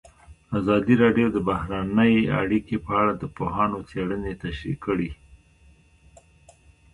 ازادي راډیو د بهرنۍ اړیکې په اړه د پوهانو څېړنې تشریح کړې.